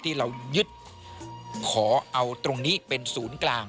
ที่เรายึดขอเอาตรงนี้เป็นศูนย์กลาง